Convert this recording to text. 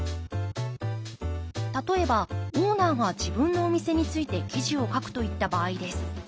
例えばオーナーが自分のお店について記事を書くといった場合です。